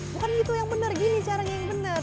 bukan gitu yang bener gini caranya yang bener